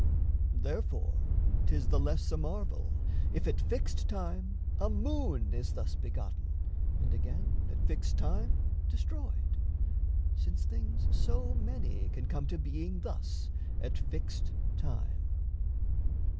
Therefore, 'tis The less a marvel, if at fixed time A moon is thus begotten and again At fixed time destroyed, since things so many Can come to being thus at fixed time.